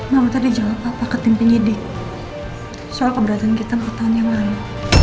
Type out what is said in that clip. mama tadi jawab papa ketimpin yedi soal keberatan kita empat tahun yang lalu